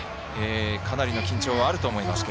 かなりの緊張はあると思いますが。